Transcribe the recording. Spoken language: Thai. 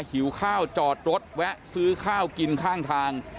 หิวข้าวจอดรถแวะซื้อข้าวกินข้างทาง